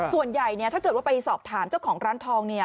ส่วนใหญ่เนี่ยถ้าเกิดว่าไปสอบถามเจ้าของร้านทองเนี่ย